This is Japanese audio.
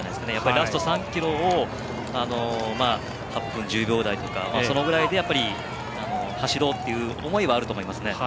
ラスト３ｋｍを８分１０秒台とかそのぐらいで走ろうという思いはあると思います。